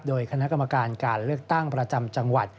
โดยคณะกรรมการการเลือกตั้งประจำจังหวัด